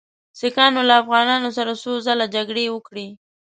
سیکهانو له افغانانو سره څو ځله جګړې وکړې.